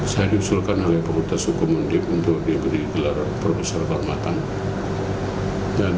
saya diusulkan oleh fakultas hukum unib untuk dikelar profesor kehormatan